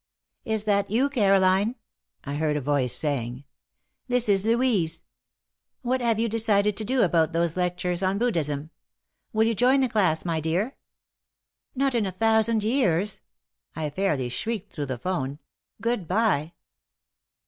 "Is that you, Caroline?" I heard a voice saying. "This is Louise. What have you decided to do about those lectures on Buddhism? Will you join the class, my dear?" "Not in a thousand years!" I fairly shrieked through the 'phone. "Good bye!"